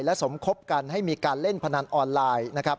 และสมคบกันให้มีการเล่นพนันออนไลน์นะครับ